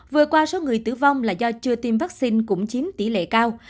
vừa qua số người tử vong là do chưa tiêm vaccine cũng chiếm tỷ lệ cao